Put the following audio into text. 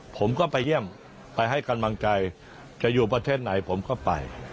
ผมก็ไปเยี่ยมไปให้กำลังใจจะอยู่ประเทศไหนผมก็ไป